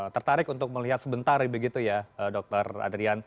tertarik untuk melihat sebentar begitu ya dokter adrian